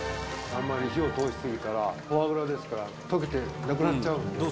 あんまり、火を通し過ぎたら、フォアグラですから、溶けてなくなっちゃう。